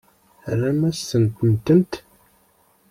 Terram-asent-tent.